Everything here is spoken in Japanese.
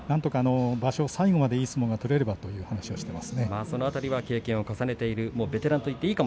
最後までいい相撲が取れればということを話しています。